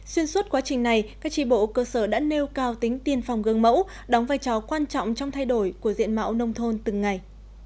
xuyên suốt quá trình này các tri bộ cơ sở đã nêu cao tính tiên phòng gương mẫu đóng vai trò quan trọng trong thay đổi của diện mạo nông thôn từng ngày